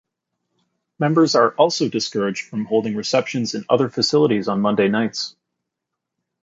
Members are also discouraged from holding receptions in other facilities on Monday nights.